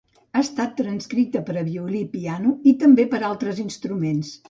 Ha estat transcrita per a violí i piano i també per a altres instruments.